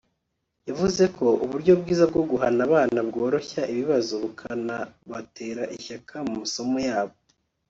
yavuze ko uburyo bwiza bwo guhana abana bworoshya ibibazo bukanabatera ishyaka mu masomo yabo